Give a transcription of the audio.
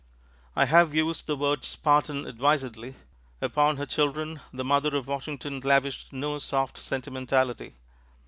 I have used the word "Spartan" advisedly. Upon her children, the mother of Washington lavished no soft sentimentality.